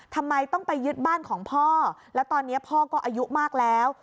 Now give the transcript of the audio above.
ทำไมต้องไปยึดบ้านของพ่อแล้วตอนนี้พ่อก็อายุมากแล้ว